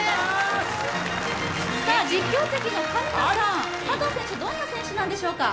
実況席の神野さん、佐藤選手はどんな選手なんでしょうか？